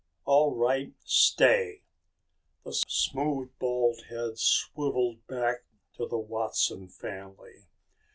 "All right. Stay." The smooth bald head swiveled back to the Watson family.